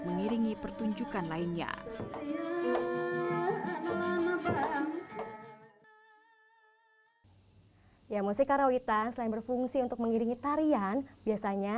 mengiringi pertunjukan lainnya ya musik karawitan selain berfungsi untuk mengiringi tarian biasanya